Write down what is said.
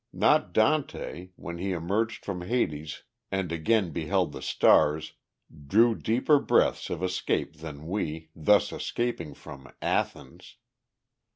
Not Dante, when he emerged from Hades and again beheld the stars, drew deeper breaths of escape than we, thus escaping from Athens!